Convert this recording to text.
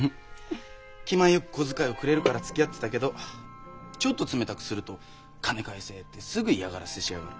気前よく小遣いをくれるからつきあってたけどちょっと冷たくすると金返せってすぐ嫌がらせしやがる。